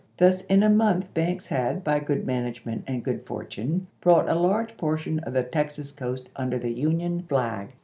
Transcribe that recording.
Thus in a month Banks had, by good manage ment and good fortune, brought a large portion of the Texas coast under the Union flag.